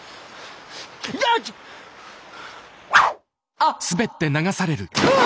あっ。